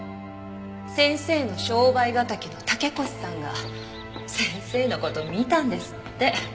先生の商売敵の竹越さんが先生の事見たんですって。